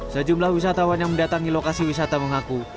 sejumlah wisatawan yang mendatangi lokasi wisata mengaku